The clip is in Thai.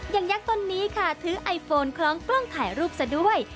ยักษ์ต้นนี้ค่ะถือไอโฟนคล้องกล้องถ่ายรูปซะด้วย